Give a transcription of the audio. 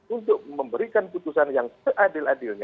untuk memberikan putusan yang seadil adilnya